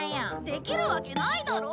できるわけないだろ！